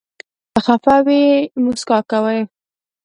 که خفه هم وي، مسکا کوي.